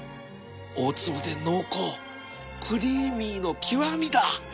大粒で濃厚クリーミーの極みだ！